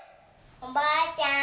おばあちゃん。